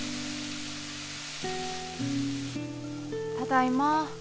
ただいま。